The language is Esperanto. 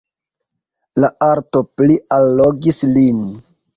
La arto pli allogis lin.